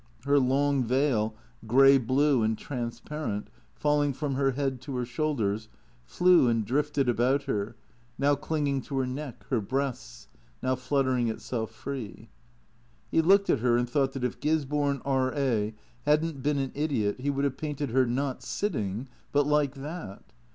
Her long veil, grey blue and transparent, fall ing from her head to her shoulders, flew and drifted about her, now clinging to her neck, her breasts, now fluttering itself free. He looked at her, and thought that if Gisborne, E.A., had n't been an idiot, he would have painted her, not sitting, but like that.